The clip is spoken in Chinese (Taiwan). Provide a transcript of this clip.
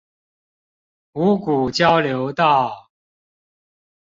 五股交流道